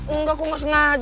engga aku ga sengaja